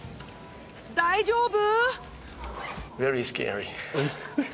大丈夫？